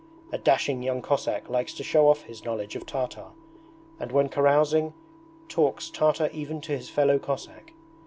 A dashing young Cossack likes to show off his knowledge of Tartar, and when carousing talks Tartar even to his fellow Cossack.